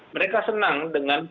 mereka senang dengan